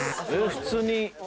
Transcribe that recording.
普通に。